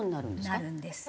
なるんです。